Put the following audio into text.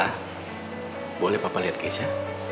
sa boleh papa lihat ke aisha